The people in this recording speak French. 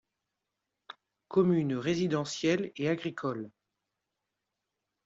Commune résidentielle et agricole.